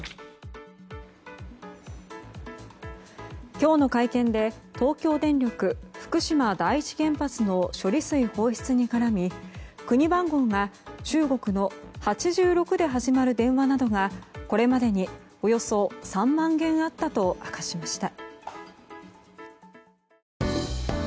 今日の会見で東京電力・福島第一原発の処理水放出に絡み、国番号が中国の８６で始まる電話などがこれまでにおよそ３万件あったと明かしました。